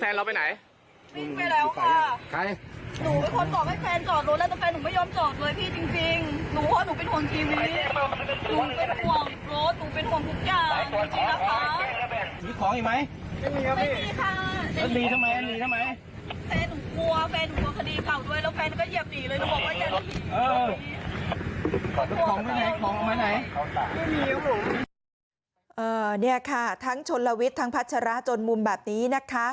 นี่ค่ะทั้งชนลวิทย์ทั้งพัชราจนมุมแบบนี้นะคะ